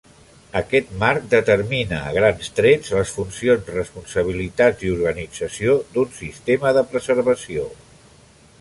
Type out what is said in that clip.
Aquest marc determina, a grans trets, les funcions, responsabilitats i organització d'un sistema de preservació.